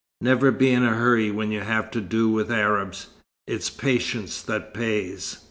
"Never be in a hurry when you have to do with Arabs. It's patience that pays."